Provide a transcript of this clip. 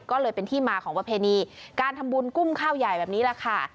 ก็เลยเป็นที่มาของประเพณีการทำบุญกุ้มข้าวใหญ่แบบนี้แหละค่ะ